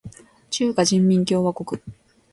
中華人民共和国